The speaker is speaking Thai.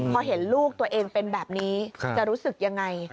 พอเห็นลูกตัวเองเป็นแบบนี้จะรู้สึกยังไง